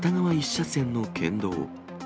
１車線の県道。